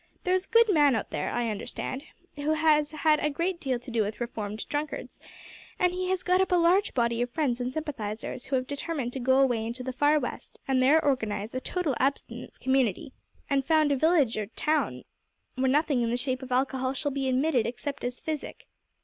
There is a good man out there, I understand, who has had a great deal to do with reformed drunkards, and he has got up a large body of friends and sympathisers who have determined to go away into the far west and there organise a total abstinence community, and found a village or town where nothing in the shape of alcohol shall be admitted except as physic.